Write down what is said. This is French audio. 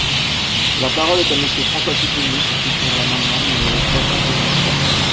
La parole est à Monsieur François Pupponi, pour soutenir l’amendement numéro trois cent soixante-trois.